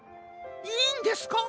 いいんですか？